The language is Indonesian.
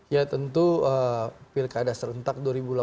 ya tentu pilkada serentak dua ribu delapan belas